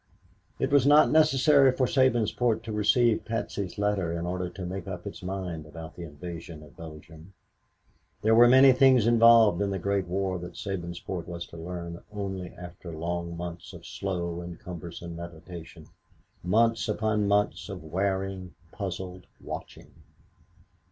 It was not necessary for Sabinsport to receive Patsy's letter in order to make up its mind about the invasion of Belgium. There were many things involved in the Great War that Sabinsport was to learn only after long months of slow and cumbersome meditation, months upon months of wearing, puzzled watching.